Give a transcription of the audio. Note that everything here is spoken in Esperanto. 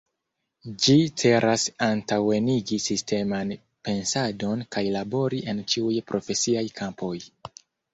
Ĝi celas antaŭenigi sisteman pensadon kaj labori en ĉiuj profesiaj kampoj.